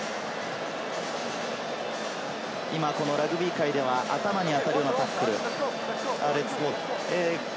ラグビー界では頭にあたるようなタックル。